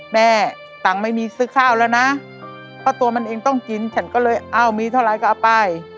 แม่ตังค์ไม่มีซื้อข้าวแล้วนะเพราะตัวมันเองต้องกินฉันก็เลยเอ้ามีเท่าไรก็เอาไป